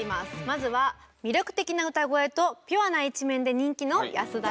まずは魅力的な歌声とピュアな一面で人気の安田章大さん。